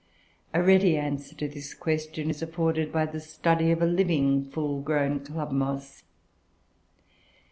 A ready answer to this question is afforded by the study of a living full grown club moss.